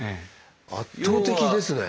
圧倒的ですね。